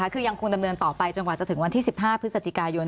คือยังคงดำเนินต่อไปจนกว่าจะถึงวันที่๑๕พฤศจิกายน